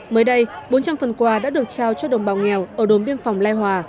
mới đây bốn trăm linh phần quà đã được trao cho đồng bào nghèo ở đồn biên phòng lai hòa